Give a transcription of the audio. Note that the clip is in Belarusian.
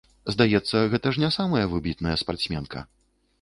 Здаецца, гэта ж не самая выбітная спартсменка.